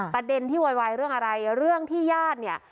ประเด็นที่โวยวายเรื่องอะไรเรื่องที่ญาติเนี่ย